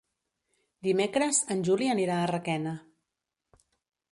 Dimecres en Juli anirà a Requena.